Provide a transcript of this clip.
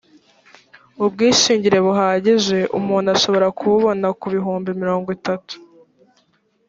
ubwishingire buhagije umuntu ashobora kububona ku bihumbi mirongo itatu